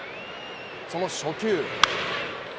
その初球。